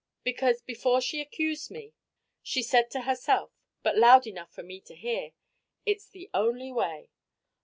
Because, before she accused me, she said to herself, but loud enough for me to hear, 'It's the only way!'"